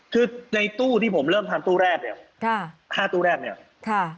คือในตู้ที่ผมเริ่มทำตู้แรกเนี่ย๕ตู้แรกเนี่ย